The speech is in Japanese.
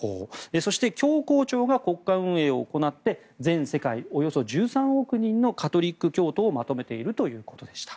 そして、教皇庁が国家運営を行って全世界およそ１３億人のカトリック教徒をまとめているということでした。